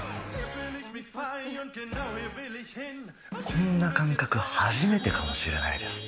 こんな感覚初めてかもしれないです。